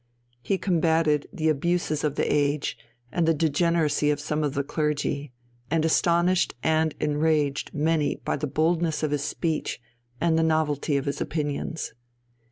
He combated the abuses of the age and the degeneracy of some of the clergy, and astonished and enraged many by the boldness of his speech and the novelty of his opinions.